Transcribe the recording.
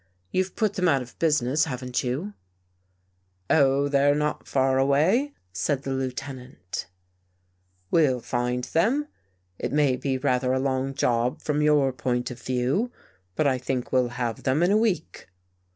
" You've put them out of busi ness, haven't you? "" Oh, they're not far away," said the Lieutenant. 97 THE GHOST GIRL '' We'll find them. It may be rather a long job from your point of view, but I think we'll have them in a week."